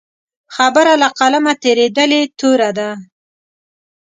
خبره له قلمه تېرېدلې توره ده.